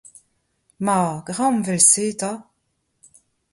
Ma, graeomp evel-se enta.